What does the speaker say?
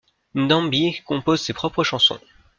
N'dambi compose ses propres chansons.